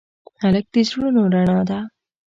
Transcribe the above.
هلک د زړونو رڼا ده.